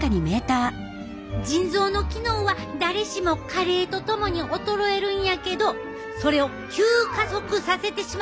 腎臓の機能は誰しも加齢と共に衰えるんやけどそれを急加速させてしまう可能性があんねん。